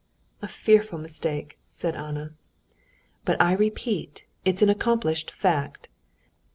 "A fearful mistake!" said Anna. "But I repeat, it's an accomplished fact.